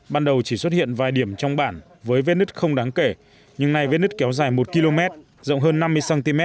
ban đầu chỉ xuất hiện vài điểm trong bản với vết nứt không đáng kể nhưng nay vết nứt kéo dài một km rộng hơn năm mươi cm